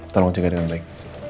tolong jaga dengan baik